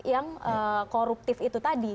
yang koruptif itu tadi